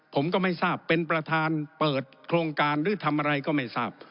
ผมก็ไม่ทราบเป็นประธานเปิดโครงการหรือทำอะไรก็ไม่ทราบ